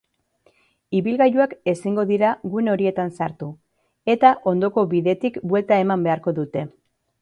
Ibilgailuak ezingo dira gune horietan sartu eta ondoko bidetik buelta eman beharko dute.